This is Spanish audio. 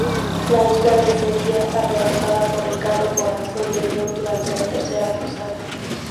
La isla le sería arrebatada por Ricardo Corazón de León durante la Tercera Cruzada.